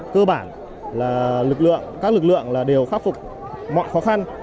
cơ bản là các lực lượng đều khắc phục mọi khó khăn